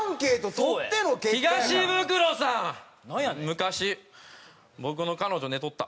昔僕の彼女寝取った。